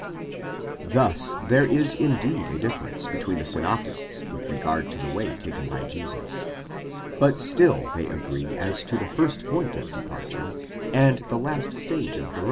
Thus there is indeed a difference between the synoptists with regard to the way taken by Jesus ; but still they agree as to the first point of departure, and 2 Kuin6l and Gratz, in loc.